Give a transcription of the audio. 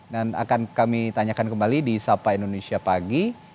dan akan kami tanyakan kembali di sapa indonesia pagi